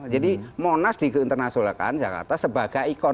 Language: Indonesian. jadi monas di internasional kan jakarta sebagai ikon